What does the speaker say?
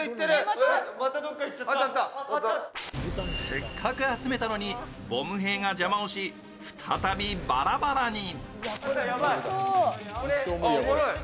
せっかく集めたのに、ボムへいが邪魔をし再び、バラバラに。